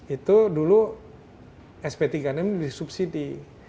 itu dulu sp tiga puluh enam disubsidi